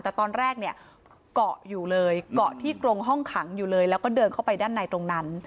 แต่ตอนแรกเนี่ยเกาะอยู่เลยเกาะที่กรงห้องขังอยู่เลยแล้วก็เดินเข้าไปด้านในตรงนั้น